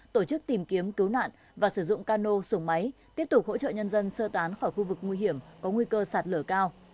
tổ chức tìm kiếm cứu nạn và sử dụng cano xuồng máy tiếp tục hỗ trợ nhân dân sơ tán khỏi khu vực nguy hiểm có nguy cơ sạt lở cao